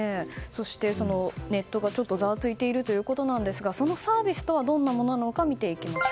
そしてネットがちょっとざわついているということですがそのサービスとはどんなものか見ていきます。